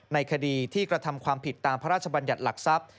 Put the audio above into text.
ในคดีที่กระทำความผิดตามพระราชบัญญัติหลักทรัพย์